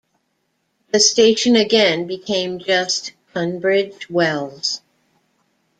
The station again became just Tunbridge Wells.